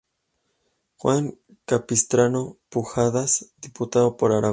Juan Capistrano Pujadas, diputado por Aragón.